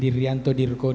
di rianto di rukodin apa